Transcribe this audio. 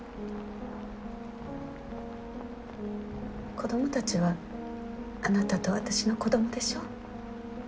子どもたちはあなたと私の子どもでしょ。